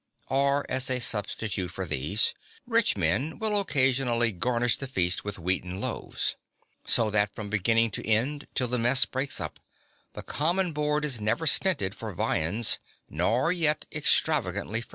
Or, as a substitute for these, rich men will occasionally garnish the feast with wheaten loaves. So that from beginning to end, till the mess breaks up, the common board is never stinted for viands, nor yet extravagantly furnished.